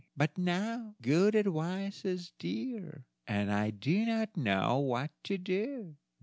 But now good advice is dear, and I do not know what to do."